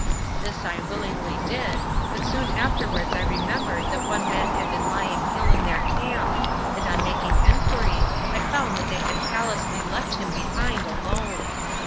This I willingly did, but soon afterwards I remembered that one man had been lying ill in their camp, and on making enquiry I found that they had callously left him behind alone.